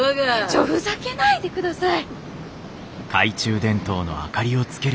ちょふざけないでください！